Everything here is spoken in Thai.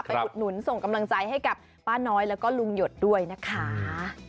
อุดหนุนส่งกำลังใจให้กับป้าน้อยแล้วก็ลุงหยดด้วยนะคะ